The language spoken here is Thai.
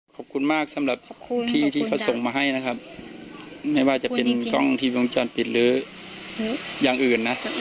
ขอบคุณมากสำหรับที่ที่เขาส่งมาให้นะครับไม่ว่าจะเป็นกล้องทีมวงจรปิดหรืออย่างอื่นนะ